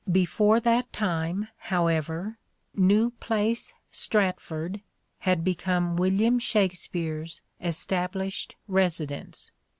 Before that time, how ever, New Place, Stratford, had become William Shakspere's established residence.